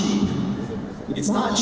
ini tidak murah